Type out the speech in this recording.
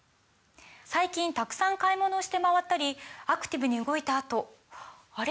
最近たくさん買い物をして回ったりアクティブに動いたあとあれ？